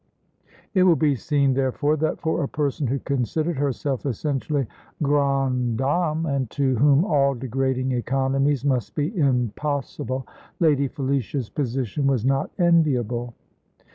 It will be seen therefore that for a person who considered herself essentially grande dame, and to whom all degrading economies must be impossible, Lady Felicia's position was not enviable.